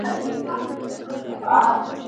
کانت وویل خوښه دې نه ده چې شرطي لوبه وکړو.